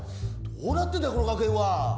どうなってんだよ、この学園は。